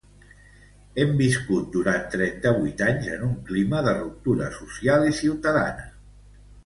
Hem viscut durant trenta-vuit anys en un clima de ruptura social i ciutadana.